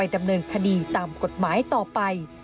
ทดีตามกฎหมายต่อไป